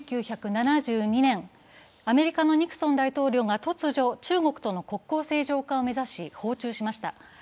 １９７２年、アメリカのニクソン大統領が突如、中国との国交正常化を目指し訪中しました。